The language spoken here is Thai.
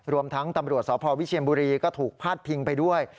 รวมทั้งตำรวจสพวิเชียนบุรีก็ถูกพาดพิงไปด้วย